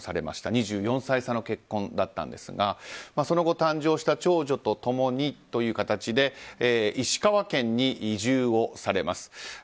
２４歳差の結婚だったんですがその後、誕生した長女と共にという形で石川県に移住をされます。